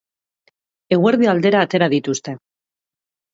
Eguerdi aldera atera dituzte.